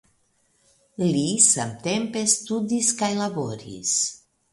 Li samtempe studis kaj laboris.